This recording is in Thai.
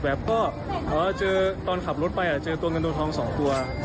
แบบก็เจอตอนขับรถไปเจอตัวเงินโดทอง๒ตัว